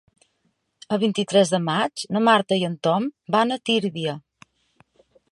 El vint-i-tres de maig na Marta i en Tom van a Tírvia.